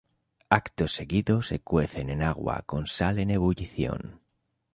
Acto seguido se cuecen en agua con sal en ebullición.